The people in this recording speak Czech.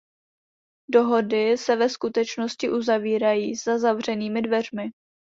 Dohody se ve skutečnosti uzavírají za zavřenými dveřmi.